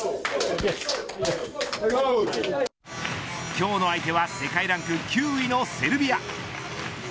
今日の相手は世界ランク９位のセルビア。